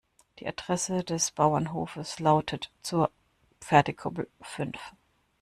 Die Adresse des Bauernhofes lautet zur Pferdekoppel fünf.